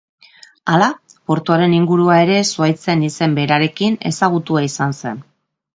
Hala, portuaren ingurua ere zuhaitzen izen berarekin ezagutua izan zen.